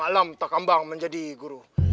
alam takambang menjadi guru